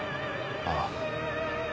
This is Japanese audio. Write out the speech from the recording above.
ああ。